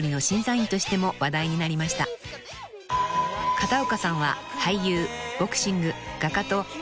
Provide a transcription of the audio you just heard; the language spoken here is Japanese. ［片岡さんは］